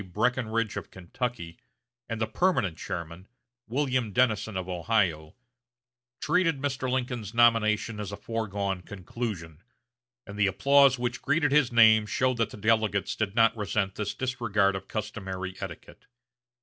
Breckinridge of Kentucky, and the permanent chairman, William Dennison of Ohio, treated Mr. Lincoln's nomination as a foregone conclusion, and the applause which greeted his name showed that the delegates did not resent this disregard of customary etiquette.